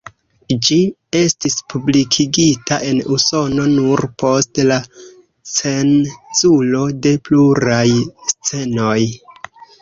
Ĝi estis publikigita en Usono nur post la cenzuro de pluraj scenoj.